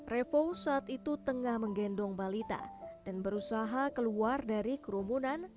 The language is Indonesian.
revo saat itu tengah menggendong balita dan berusaha keluar dari kerumunan